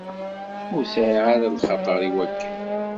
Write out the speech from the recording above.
Ur sεiɣ ara lxaṭer i wakken.